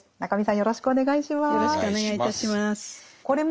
よろしくお願いします。